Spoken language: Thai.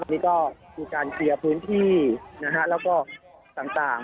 นี่ก็มีการเคลียร์พื้นที่นะฮะแล้วก็ต่าง